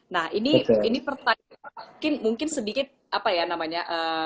nah ini pertanyaan mungkin sedikit apa ya namanya